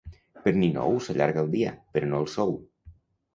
Per Ninou s'allarga el dia, però no el sou.